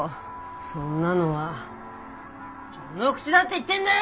そんなのは序の口だって言ってんだよ！